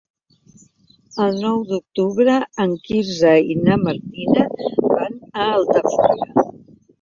El nou d'octubre en Quirze i na Martina van a Altafulla.